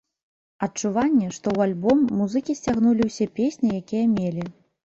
Адчуванне, што ў альбом музыкі сцягнулі ўсе песні, якія мелі.